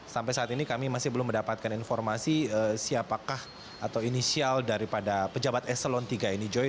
sampai saat ini kami masih belum mendapatkan informasi siapakah atau inisial daripada pejabat eselon iii ini joy